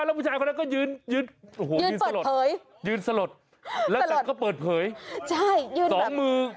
แล้วผู้ชายคนนั้นก็ยืนยืนโอ้โหยืนสลดยืนสลดแล้วแต่ก็เปิดเผยใช่ยืนสองมือ